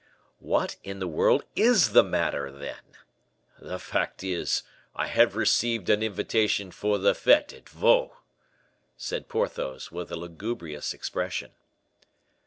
"What in the world is the matter, then?" "The fact is, I have received an invitation for the fete at Vaux," said Porthos, with a lugubrious expression.